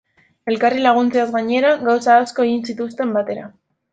Elkarri laguntzeaz gainera, gauza asko egin zituzten batera.